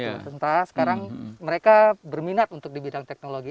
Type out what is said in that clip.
sementara sekarang mereka berminat untuk di bidang teknologi